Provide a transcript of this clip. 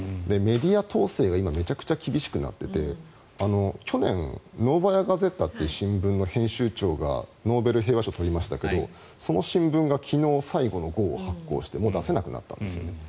メディア統制が今、めちゃくちゃ厳しくなってて去年、ノーバヤ・ガゼータという新聞の編集長がノーベル平和賞を取りましたがその新聞が昨日最後の号を出しましてもう出せなくなったんです。